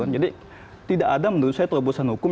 jadi tidak ada menurut saya terobosan hukum